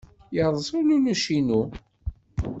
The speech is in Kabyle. Yerreẓ ulelluc-inu.